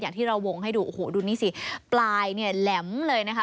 อย่างที่เราวงให้ดูดูนี่สิปลายแหลมเลยนะคะ